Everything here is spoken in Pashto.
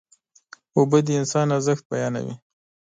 اوبه د انسان ارزښت بیانوي.